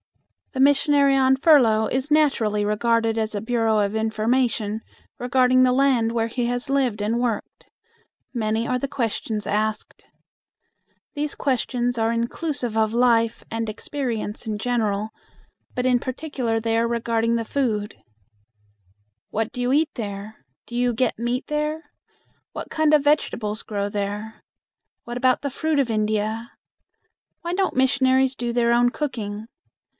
The missionary on furlough is naturally regarded as a bureau of information regarding the land where he has lived and worked. Many are the questions asked. These questions are inclusive of life and experience in general, but in particular they are regarding the food. "What do you eat there? Do you get meat there? What kind of vegetables grow there? What about the fruit of India? Why don't missionaries do their own cooking?